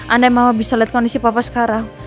andai mama bisa liat kondisi papa sekarang